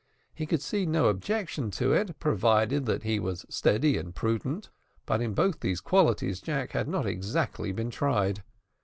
He could see no objection to it, provided that he was steady and prudent, but in both these qualities Jack had not exactly been tried.